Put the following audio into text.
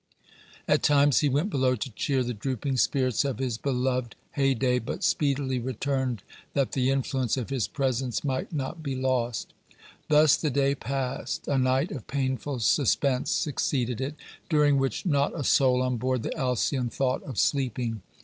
At times he went below to cheer the drooping spirits of his beloved Haydée, but speedily returned that the influence of his presence might not be lost. Thus the day passed. A night of painful suspense succeeded it, during which not a soul on board the Alcyon thought of sleeping.